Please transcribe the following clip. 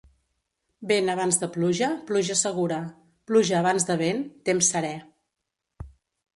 Vent abans de pluja, pluja segura; pluja abans de vent, temps serè.